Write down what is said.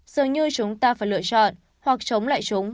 dường như chúng ta phải lựa chọn hoặc chống lại chúng